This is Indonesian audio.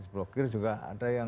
blokir juga ada yang